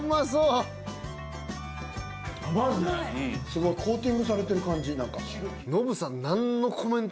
すごいコーティングされてる感じ何か。